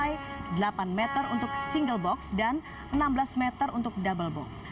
jalan ini memiliki jalan yang berbeda untuk single box dan enam belas meter untuk double box